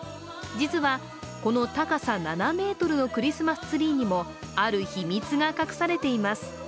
実はこの高さ７ｍのクリスマスツリーにもある秘密が隠されています。